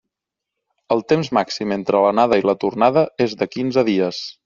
El temps màxim entre l'anada i la tornada és de quinze dies.